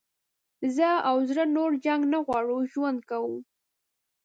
زه او زړه نور جنګ نه غواړو ژوند کوو.